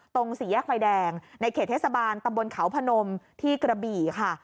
สี่แยกไฟแดงในเขตเทศบาลตำบลเขาพนมที่กระบี่ค่ะ